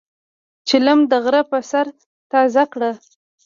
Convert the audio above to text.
چیلم د غرۀ پۀ سر تازه کړه.